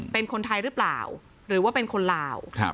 เป็นคนไทยหรือเปล่าหรือว่าเป็นคนลาว